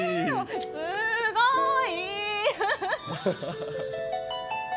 すごい！